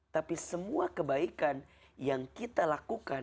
tapi semua kebaikan yang kita lakukan